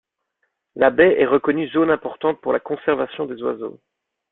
La baie est reconnue zone importante pour la conservation des oiseaux.